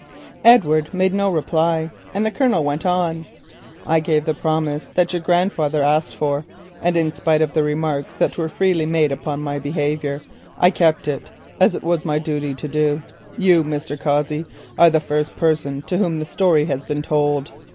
Edward made no reply, and the Colonel went on:—"I gave the promise your grandfather asked for, and in spite of the remarks that were freely made upon my behaviour, I kept it, as it was my duty to do. You, Mr. Cossey, are the first person to whom the story has been told.